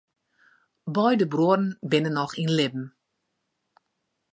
Beide bruorren binne noch yn libben.